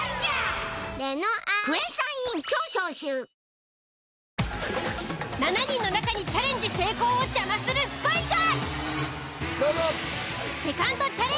リブネスタウンへ７人の中にチャレンジ成功を邪魔するスパイが！